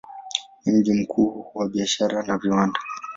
Ni mji muhimu wa biashara na viwanda.